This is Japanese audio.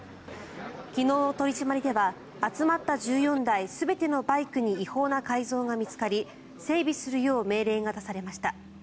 昨日の取り締まりでは集まった１４台全てのバイクに違法な改造が見つかり整備するよう命令が出されました。